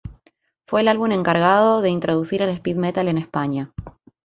Fue el álbum encargado de introducir el speed metal en España.